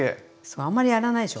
あんまりやらないでしょ？